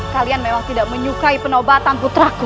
kalian memang tidak menyukai penobatan putraku